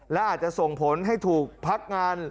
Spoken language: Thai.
และอาจจะส่งผลให้ถูกพักงาน